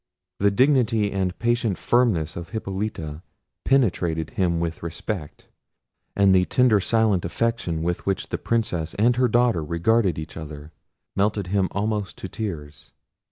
The dignity and patient firmness of Hippolita penetrated him with respect, and the tender silent affection with which the Princess and her daughter regarded each other, melted him almost to tears.